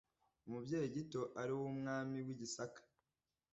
Umubyeyi gito ariwe umwami w’i Gisaka